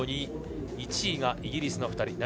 １位がイギリスの２人。